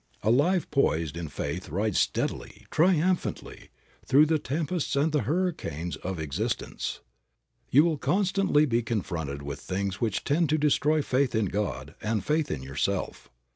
A life poised in faith rides steadily, triumphantly, through the tempests and the hurricanes of existence. You will constantly be confronted with things which tend to destroy faith in God and faith in yourself.